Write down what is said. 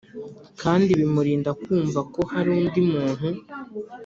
kandi bimurinda kumva ko hari undi muntu